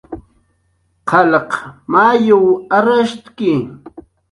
Qalqa mayuw arrashtki